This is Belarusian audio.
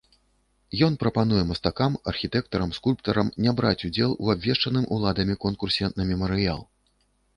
Ён прапануе мастакам, архітэктарам, скульптарам не браць удзел у абвешчаным уладамі конкурсе на мемарыял.